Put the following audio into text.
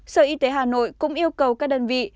sở y tế hà nội cũng yêu cầu các đơn vị